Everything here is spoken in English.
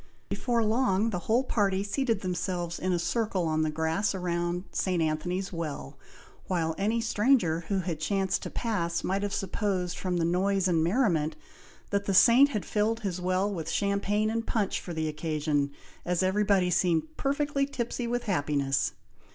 Before long the whole party seated themselves in a circle on the grass round St. Anthony's Well, while any stranger who had chanced to pass might have supposed, from the noise and merriment, that the Saint had filled his well with champagne and punch for the occasion, as everybody seemed perfectly tipsy with happiness.